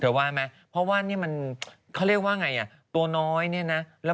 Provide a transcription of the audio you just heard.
ว่าไหมเพราะว่านี่มันเขาเรียกว่าไงอ่ะตัวน้อยเนี่ยนะ